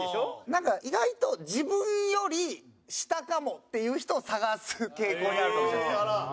なんか意外と自分より下かもっていう人を探す傾向にあるかもしれないですね。